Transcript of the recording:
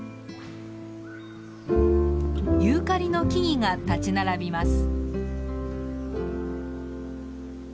ユーカリの木々が立ち並びます。